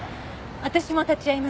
私も立ち会います。